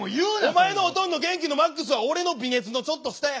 お前のおとんの元気のＭＡＸは俺の微熱のちょっと下や。